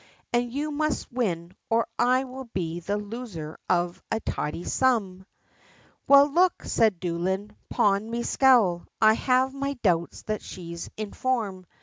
And you must win, or I will be the loser of a tidy sum." "Well, look," said Doolin, "pon me sowl, I have me doubts that she's in form."